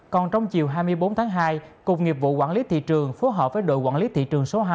còn trong chiều hai mươi bốn tháng hai cục nhiệp vụ quản lý thị trường phối hợp với đội quản lý thị trường số hai